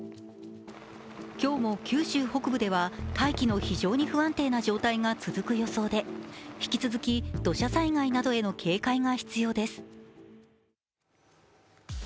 今日も九州北部では大気の非常に不安定な状態が続く予想で、引き続き、土砂災害などへの警戒が必要です。